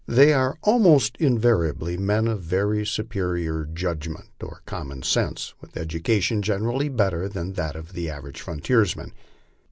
They are almost in variajbly men of very superior judgment or common sense, with education generally better than that of the average frontiersman.